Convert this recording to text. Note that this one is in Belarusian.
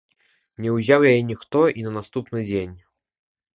Не ўзяў яе ніхто і на наступны дзень.